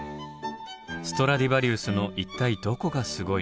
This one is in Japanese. ストラディバリウスの一体どこがすごいのか。